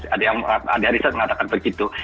ada yang ada riset mengatakan begitu